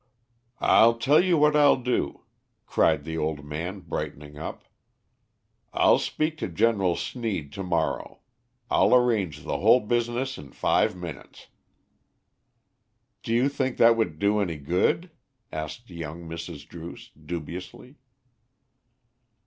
"I'll tell you what I'll do," cried the old man, brightening up. "I'll speak to Gen. Sneed to morrow. I'll arrange the whole business in five minutes." "Do you think that would do any good?" asked young Mrs. Druce, dubiously.